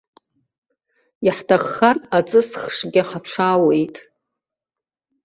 Иаҳҭаххар аҵысхшгьы ҳаԥшаауеит.